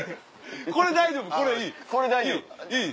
これ大丈夫これいいいいいい。